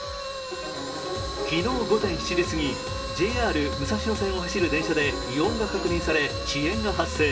昨日午前７時過ぎ、ＪＲ武蔵野線を走る電車で異音が確認され、遅延が発生。